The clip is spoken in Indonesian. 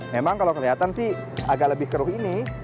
memang kalau kelihatan sih agak lebih keruh ini